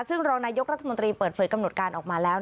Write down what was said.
ซึ่งรองนายกรัฐมนตรีเปิดเผยกำหนดการออกมาแล้ว